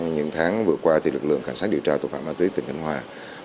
những tháng vừa qua lực lượng khả sát điều tra tội phạm ma túy tp nha trang